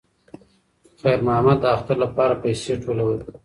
خیر محمد د اختر لپاره پیسې ټولولې.